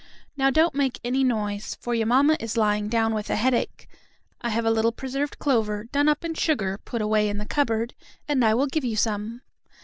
Now don't make any noise, for your mamma is lying down with a headache. I have a little preserved clover, done up in sugar, put away in the cupboard, and I will give you some."